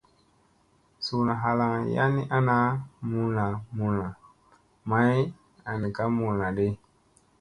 Suuna halaŋ yan ni ana mulla mulla, may an ka mulla di.